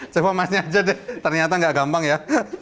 coba masnya aja deh ternyata gak gampang ya